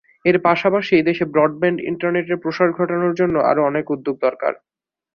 এর পাশাপাশি দেশে ব্রডব্যান্ড ইন্টারনেটের প্রসার ঘটানোর জন্য আরও অনেক উদ্যোগ দরকার।